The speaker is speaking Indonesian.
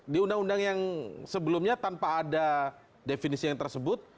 di undang undang yang sebelumnya tanpa ada definisi yang tersebut